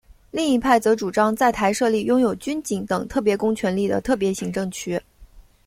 另一派则主张在台设立拥有军警等特别公权力的特别行政区。